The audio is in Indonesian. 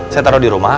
saya taruh di rumah